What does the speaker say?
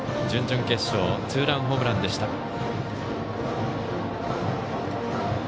準々決勝ツーランホームランでした。